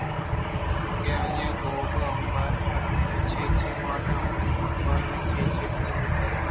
کہ آئی ءِ لوگ ءِ امبار ءَ پرآئیءَچے چے مانءُ گوٛرآئیءَ چے چے کنگ بُوتگ